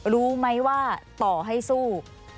รู้ไหมว่าต่อให้สู้